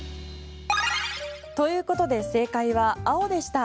ということで正解は青でした。